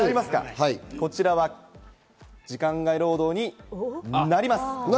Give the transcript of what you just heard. こちらは時間外労働になります。